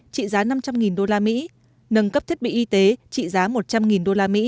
trị giá năm trăm linh usd nâng cấp thiết bị y tế trị giá một trăm linh usd